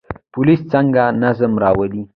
پولیس څنګه نظم راولي؟